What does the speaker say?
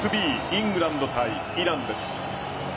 イングランド対イランです。